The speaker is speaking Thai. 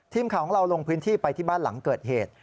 ทีมข่าวของเราลงพื้นที่ไปที่บ้านหลังเกิดเหตุ